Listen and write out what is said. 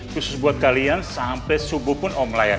khusus buat kalian sampai subuh pun om layanin